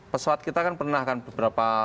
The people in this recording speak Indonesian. pesawat kita kan pernah kan beberapa